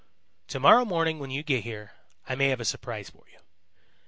"To morrow morning when you get here, I may have a surprise for you."